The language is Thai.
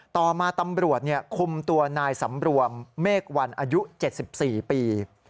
ต่อมาตำรวจคุมตัวนายสำรวมเมฆวันอายุ๗๔ปี